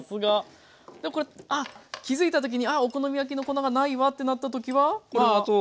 でもこれ気付いた時にあお好み焼きの粉がないわってなった時はこれは？